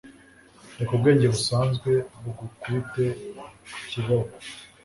Reka ubwenge busanzwe bugukubite ikiboko